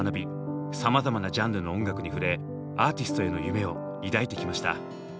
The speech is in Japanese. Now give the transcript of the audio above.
さまざまなジャンルの音楽に触れアーティストへの夢を抱いてきました。